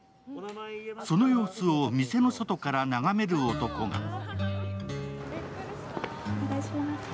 その様子を店の外から眺める男が。